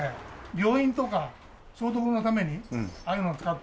病院とか消毒のためにああいうの使ったり。